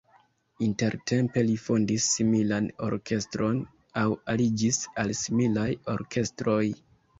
Intertempe li fondis similan orkestron aŭ aliĝis al similaj orkestroj.